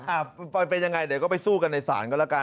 อ่าเป็นอย่างไรเดี๋ยวก็ไปสู้กันในศาลก็ละกัน